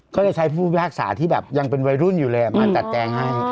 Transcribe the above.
ก็จะใช้ผู้พิพภาคศาสตร์ที่แบบยังเป็นวัยรุ่นอยู่เลยอะมาตัดแจงให้